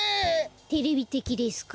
テレビてきですか？